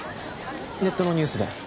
ネットのニュースで。